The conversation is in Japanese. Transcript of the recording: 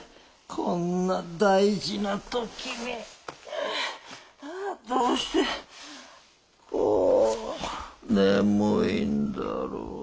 こんな大事な時にどうしてこうも眠いんだろう。